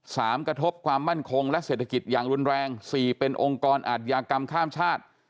กระทบความมั่นคงและเศรษฐกิจอย่างรุนแรงสี่เป็นองค์กรอาทยากรรมข้ามชาติ